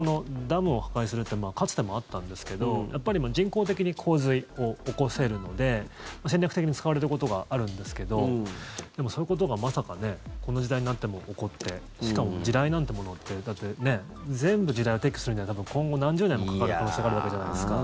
だから、戦争中ってダムを破壊するってかつてもあったんですけどやっぱり人工的に洪水を起こせるので戦略的に使われることがあるんですけどでも、そういうことがまさかねこの時代になっても起こってしかも、地雷なんてものってだって全部、地雷を撤去するには今後何十年もかかる可能性があるわけじゃないですか。